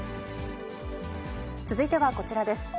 続いてはこちらです。